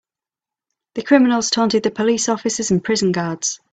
The criminals taunted the police officers and prison guards.